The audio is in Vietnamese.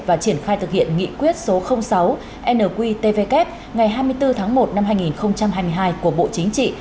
và triển khai thực hiện nghị quyết số sáu nqtvk ngày hai mươi bốn tháng một năm hai nghìn hai mươi hai của bộ chính trị